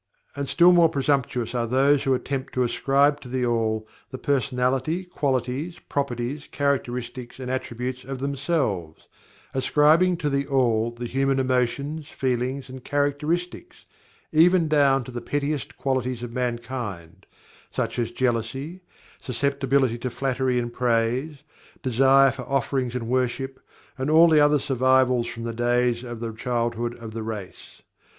And still more presumptuous are those who attempt to ascribe to THE ALL the personality, qualities, properties, characteristics and attributes of themselves, ascribing to THE ALL the human emotions, feelings, and characteristics, even down to the pettiest qualities of mankind, such as jealousy, susceptibility to flattery and praise, desire for offerings and worship, and all the other survivals from the days of the childhood of the race.